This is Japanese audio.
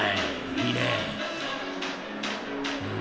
いいね］